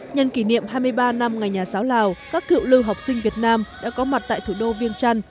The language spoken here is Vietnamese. nhân kỷ niệm hai mươi ba năm ngày nhà giáo lào các cựu lưu học sinh việt nam đã có mặt tại thủ đô viêng trăn